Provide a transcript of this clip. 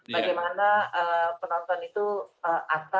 bagaimana penonton itu akan masuk ya